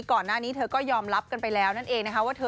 ก่อนหน้านี้เธอก็ยอมรับกันไปแล้วนั่นเองนะคะว่าเธอ